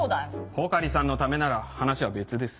穂刈さんのためなら話は別です。